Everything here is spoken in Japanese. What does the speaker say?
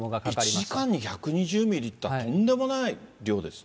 １時間に１２０ミリっていったら、とんでもない量ですね。